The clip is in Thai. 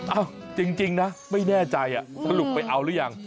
เอ้าจริงนะไม่แน่ใจอะลูกไปเอาหรือยัง